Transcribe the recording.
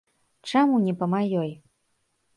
Чаму не па маёй?